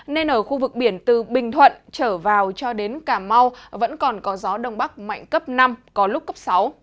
nên ở khu vực biển từ bình thuận trở vào cho đến cà mau vẫn còn có gió đông bắc mạnh cấp năm có lúc cấp sáu